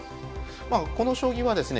この将棋はですね